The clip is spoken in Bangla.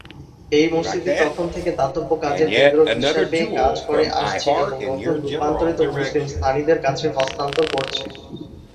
এই মসজিদটি তখন থেকে দাতব্য কাজের কেন্দ্র হিসাবে কাজ করে আসছে এবং নতুন রূপান্তরিত মুসলিম স্থানীয়দের কাছে হস্তান্তর করছে।